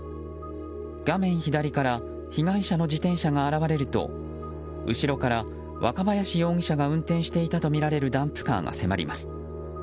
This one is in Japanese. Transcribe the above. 画面左から被害者の自転車が現れると後ろから、若林容疑者が運転していたとみられるダンプカーが迫ります。